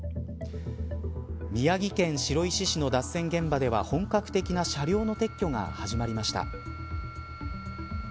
宮城県白石市の脱線現場では本格的な車両の撤去が始まりました。